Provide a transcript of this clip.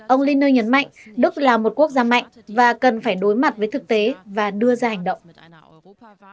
ông linner nhấn mạnh đức là một quốc gia mạnh và cần phải đối mặt với thực tế và đưa ra hành động